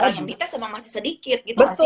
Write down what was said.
yang dites emang masih sedikit gitu